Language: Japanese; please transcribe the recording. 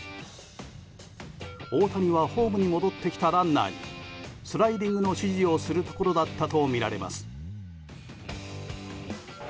大谷はホームに戻ってきたランナーにスライディングの指示をするところだったとみられます。